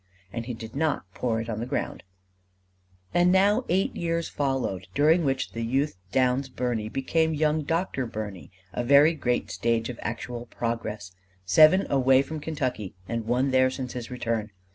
And he did not pour it on the ground. And now eight years followed, during which the youth Downs Birney became young Dr. Birney a very great stage of actual progress. Seven away from Kentucky, and one there since his return.